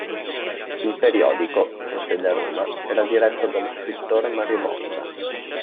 Il periodico, con sede a Roma, era diretto dallo scrittore Mario Motta.